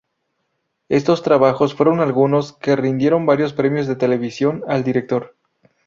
Estos trabajos fueron algunos que rindieron varios premios de televisión al director.